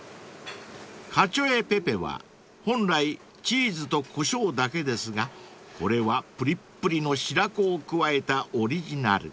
［カチョエペペは本来チーズとコショウだけですがこれはプリップリの白子を加えたオリジナル］